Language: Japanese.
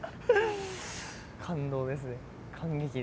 感動ですね感激です。